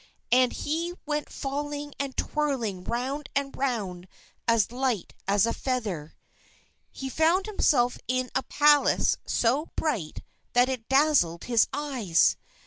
And he went falling and twirling round and round as light as a feather. He found himself in a palace so bright that it dazzled his eyes.